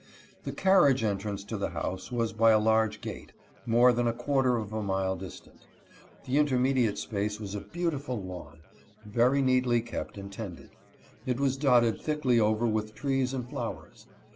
The carriage entrance to the house was by a large gate, more than a quarter of a mile distant. The intermediate space was a beautiful lawn, very neatly kept and tended. It was dotted thickly over with trees and flowers.